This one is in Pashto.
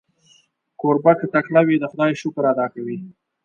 کوربه که تکړه وي، د خدای شکر ادا کوي.